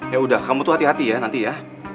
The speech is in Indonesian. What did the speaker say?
ya udah kamu tuh hati hati ya nanti ya